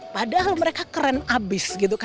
padahal mereka keren abis